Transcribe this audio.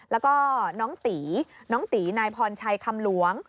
แล้วก็น้องตีน้องตีนายพรชัยคำหลวง